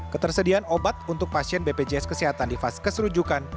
ketersediaan obat untuk pasien bpjs kesehatan di faskes rujukan